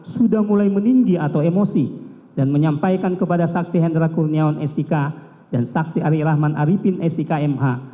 sudah mulai meninggi atau emosi dan menyampaikan kepada saksi hendra kurniawan s i k dan saksi arif rahman arifin s i k m h